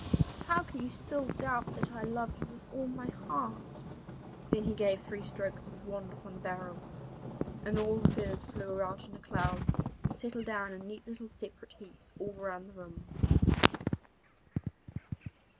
'How can you still doubt that I love you with all my heart?' Then he gave three strokes of his wand upon the barrel, and all the feathers flew out in a cloud and settled down in neat little separate heaps all round the room.